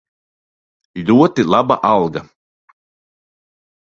Ļoti laba alga.